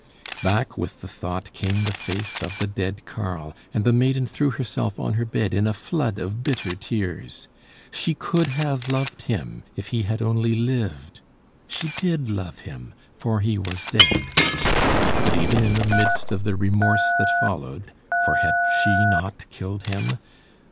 Back with the thought came the face of the dead Karl, and the maiden threw herself on her bed in a flood of bitter tears. She could have loved him if he had only lived: she did love him, for he was dead. But even in the midst of the remorse that followed for had she not killed him?